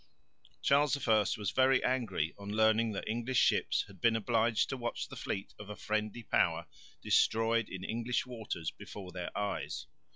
Charles I was very angry on learning that English ships had been obliged to watch the fleet of a friendly power destroyed in English waters before their eyes.